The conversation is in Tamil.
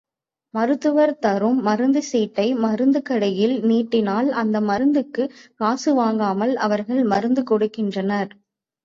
மருத்துவர் தரும் மருந்துச் சீட்டை மருந்து கடையில் நீட்டினால் அந்த மருந்துக்குக் காசு வாங்காமல் அவர்கள் மருந்து கொடுக்கின்றனர்.